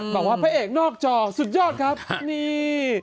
บอกว่าพระเอกนอกจอสุดยอดครับนี่